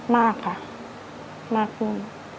มากค่ะมากขึ้น